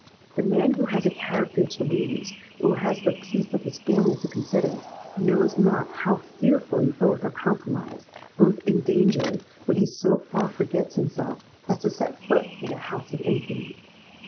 The man who has a character to lose, or who has the peace of his family to consider, knows not how fearfully both are compromised, both endangered, when he so far forgets himself as to set foot in a house of infamy.